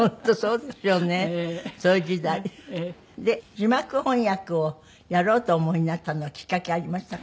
字幕翻訳をやろうとお思いになったのはきっかけありましたか？